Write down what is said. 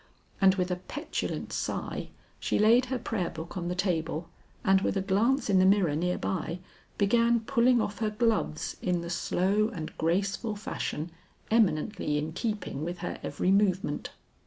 And with a petulant sigh she laid her prayer book on the table and with a glance in the mirror near by, began pulling off her gloves in the slow and graceful fashion eminently in keeping with her every movement.